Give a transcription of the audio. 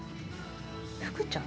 福ちゃん？